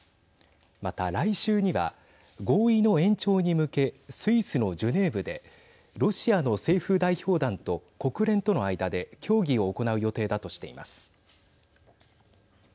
また、来週には合意の延長に向けスイスのジュネーブでロシアの政府代表団と国連との間で協議を行う予定だとしています。